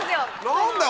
何だよ